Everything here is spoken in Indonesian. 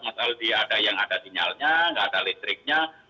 mas aldi ada yang ada sinyalnya nggak ada listriknya